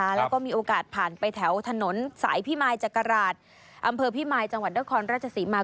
แล้วก็มีโอกาสผ่านไปแถวถนนสายพิมายจักราชอำเภอพิมายจังหวัดนครราชศรีมา